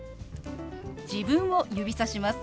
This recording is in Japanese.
自分を指さします。